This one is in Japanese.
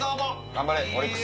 頑張れオリックス。